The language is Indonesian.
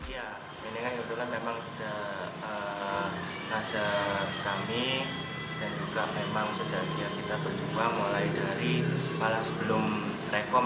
ya ini memang udah naseh kami dan juga memang sudah kita berjuang mulai dari malam sebelum rekom